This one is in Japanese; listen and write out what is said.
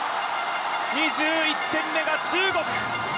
２１点目が中国。